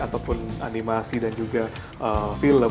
ataupun animasi dan juga film